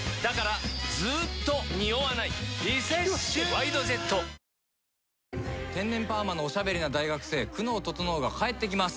「ＷＩＤＥＪＥＴ」天然パーマのおしゃべりな大学生久能整が帰ってきます。